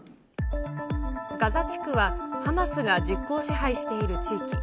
ガザ地区はハマスが実効支配している地域。